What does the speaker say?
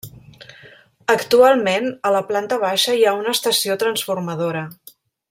Actualment a la planta baixa hi ha una estació transformadora.